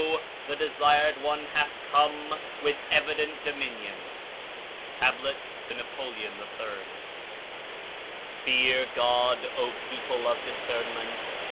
The Desired One hath come with evident Dominion.' (Tab. to Napoleon III.) "Fear God, O people of discernment.